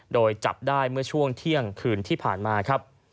โดยจับได้เมื่อช่วงเที่ยงคืนที่ผ่านมาครับ